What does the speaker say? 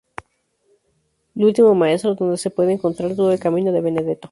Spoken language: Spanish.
L’ultimo maestro", donde se puede encontrar todo el camino de Benedetto.